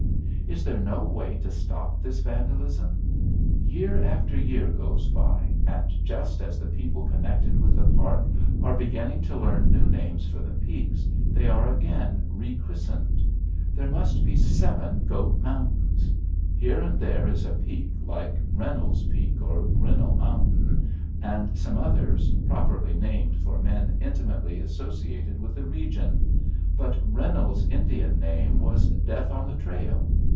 Is there no way to stop this vandalism? Year after year goes by, and just as the people connected with the park are beginning to learn new names for the peaks, they are again rechristened. There must be seven Goat Mountains. Here and there is a peak, like Reynolds Peak or Grinnell Mountain, and some others, properly named for men intimately associated with the region. But Reynolds's Indian name was Death on the Trail.